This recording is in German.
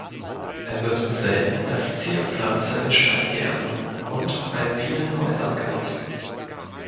Er wird selten als Zierpflanze in Steingärten und alpinen Häusern genutzt.